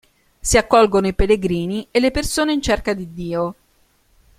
Si accolgono i "pellegrini" e le persone in cerca di Dio.